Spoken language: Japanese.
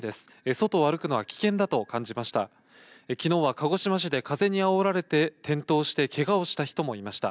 外を歩くのは危険だと感じました。